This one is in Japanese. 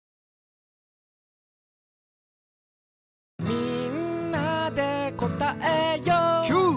「みんなでこたえよう」キュー！